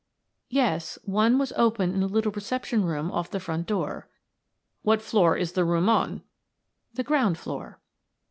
"Yes; one was open in the little reception room off the front door." "What floor is the room on?" "The ground floor."